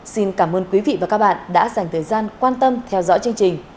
xin cảm ơn quý vị và các bạn đã dành thời gian quan tâm theo dõi chương trình